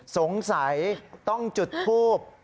สงสัยต้องจุดทูบ